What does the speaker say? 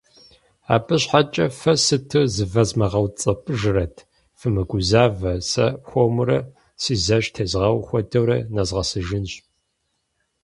Абы щхьэкӀэ фэ сыту зывэзмыгъэуцӀэпӀыжрэт, фымыгузавэ, сэ хуэмурэ, си зэш тезгъэу хуэдэурэ, нэзгъэсыжынщ.